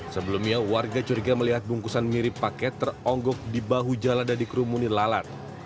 sebelumnya warga curiga melihat bungkusan mirip paket teronggok di bahu jalan dan dikerumuni lalat